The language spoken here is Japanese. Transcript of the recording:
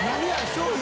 商品？